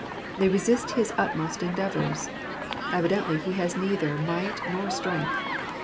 They resist his utmost endeavours. Evidently he has neither might nor strength.